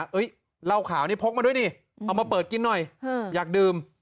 เหล้าขาวนี่พกมาด้วยดิเอามาเปิดกินหน่อยอยากดื่ม